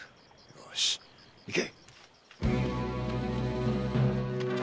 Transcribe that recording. よし行け！